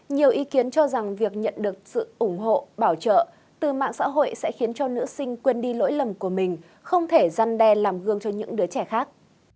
nhiều ý kiến cho rằng việc nhận được sự ủng hộ bảo trợ từ mạng xã hội sẽ khiến cho nữ sinh quên đi lỗi lầm của mình không thể gian đe làm gương cho những đứa trẻ khác